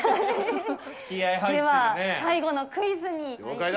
では、最後のクイズに。